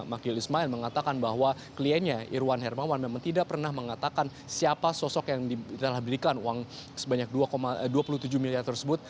maki ismail mengatakan bahwa kliennya irwan hermawan memang tidak pernah mengatakan siapa sosok yang telah diberikan uang sebanyak dua puluh tujuh miliar tersebut